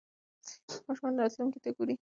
ماشومان راتلونکې ته ګوري.